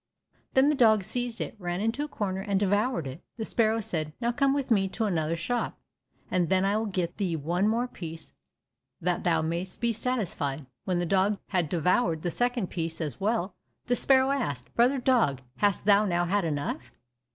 Then the dog seized it, ran into a corner, and devoured it. The sparrow said, "Now come with me to another shop, and then I will get thee one more piece that thou mayst be satisfied." When the dog had devoured the second piece as well, the sparrow asked, "Brother dog, hast thou now had enough?"